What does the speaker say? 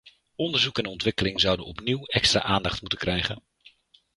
Onderzoek en ontwikkeling zouden opnieuw extra aandacht moeten krijgen.